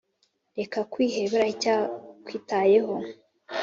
Reka kwiheba iracyakwitayeho